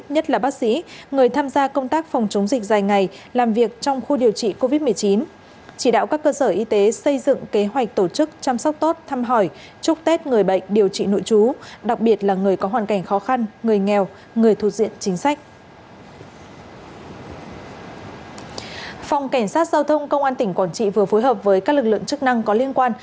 cảnh sát giao thông công an tỉnh quảng trị vừa phối hợp với các lực lượng chức năng có liên quan